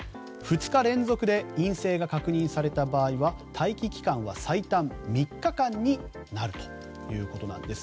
２日連続で陰性が確認された場合待機期間は最短３日間になるということです。